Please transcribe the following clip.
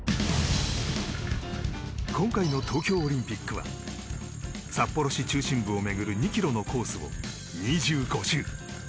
今回の東京オリンピックは札幌市中心部を巡る２ｋｍのコースを２５周。